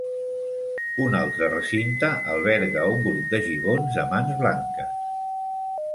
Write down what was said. Un altre recinte alberga un grup de gibons de mans blanques.